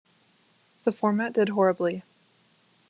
The format did horribly.